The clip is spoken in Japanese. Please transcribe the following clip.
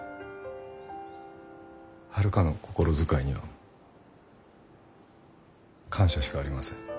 遥の心遣いには感謝しかありません。